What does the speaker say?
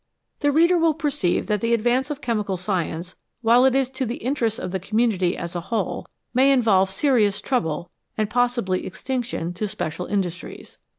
The reader will perceive that the advance of chemical science, while it is to the interests of the community as a whole, may involve serious trouble, and possibly extinction, to special industries.